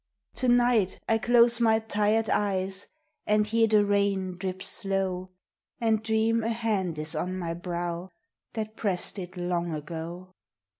To night I close my tired eyes And hear the rain drip slow, And dream a hand is on my brow That pressed it long ago.